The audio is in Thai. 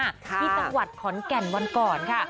ที่จังหวัดขอนแก่นวันก่อนค่ะ